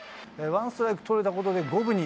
ワンストライク取れたことで五分に。